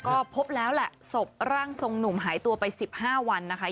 ก็พบแล้วแหละศพร่างทรงหนุ่มหายตัวไป๑๕วันนะคะ